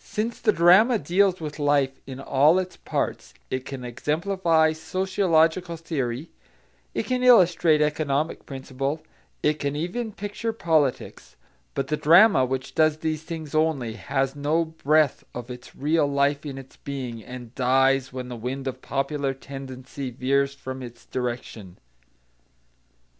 Since the drama deals with life in all its parts, it can exemplify sociological theory, it can illustrate economic principle, it can even picture politics; but the drama which does these things only, has no breath of its real life in its being, and dies when the wind of popular tendency veers from its direction.